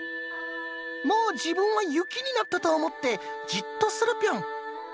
もう自分は雪になったと思ってじっとするピョン。